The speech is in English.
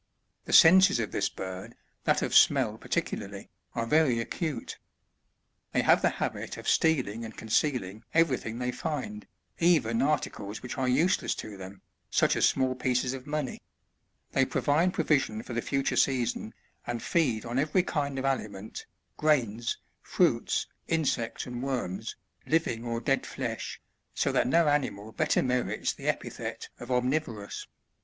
The senses of this bird, that of smell particularly, are very acute. They have the habit of stealing and concealing everything they find, even articles which are useless to them, such as small pieces of money ; they provide provision for the future season, and feed on every kind of aliment, grains, fruits, insects and worms, living or dead flesh, so that no animal better merits the epithet of omnivorous.